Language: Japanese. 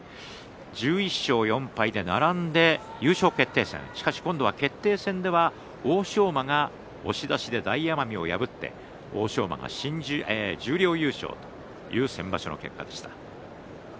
１１勝４敗で並んで優勝決定戦しかし今度は決定戦では欧勝馬が押し出しで大奄美を破って欧勝馬が十両優勝という先場所の結果でした。